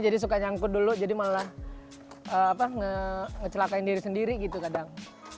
jadi suka nyangkut dulu jadi malah ngecelakain diri sendiri gitu kadang